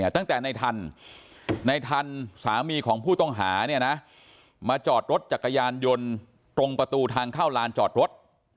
ตั้งแต่ในทันในทันสามีของผู้ต้องหามาจอดรถจักรยานยนต์ตรงประตูทางเข้าลานจอดรถ